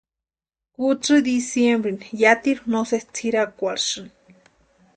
Kutsï diciembrini yátiru no sési tsʼirakwarhisïni.